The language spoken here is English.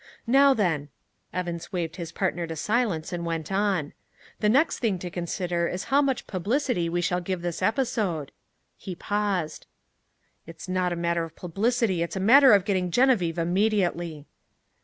Now, then," Evans waved his partner to silence and went on: "the next thing to consider is how much publicity we shall give this episode." He paused. "It's not a matter of publicity; it's a matter of getting Geneviève immediately."